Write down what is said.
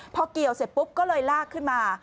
พอเกี่ยวเสร็จปุ๊บก็เลยลากขึ้นมา